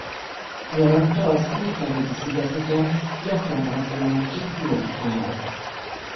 Nyaranta a Szél felőli szigeteken gyakran alakulnak ki hurrikánok.